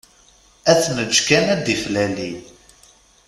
Ad t-neğğ kan ad d-iflali.